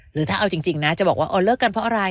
หรือถ้าเอาจริงนะจะบอกว่าเลิกกันเพราะอะไร